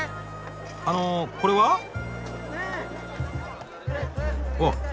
あのこれは？うわ。